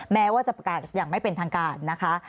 แม้ว่าจะประกาศอย่างไม่เป็นทางการนะคะ